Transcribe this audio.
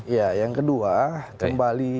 ya yang kedua kembali